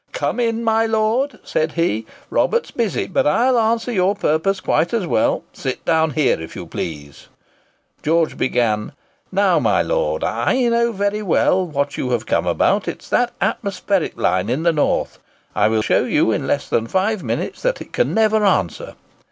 "Come in, my Lord," said he, "Robert's busy; but I'll answer your purpose quite as well; sit down here, if you please." George began, "Now, my Lord, I know very well what you have come about: it's that atmospheric line in the north; I will show you in less than five minutes that it can never answer."